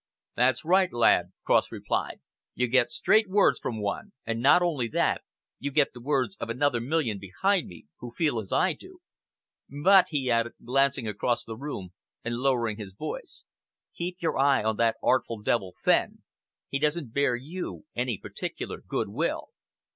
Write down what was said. "That's right, lad," Cross replied. "You get straight words from one; and not only that, you get the words of another million behind me, who feel as I do. But," he added, glancing across the room and lowering his voice, "keep your eye on that artful devil, Fenn. He doesn't bear you any particular good will."